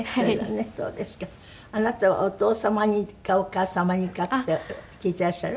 あなたはお父様似かお母様似かって聞いていらっしゃる？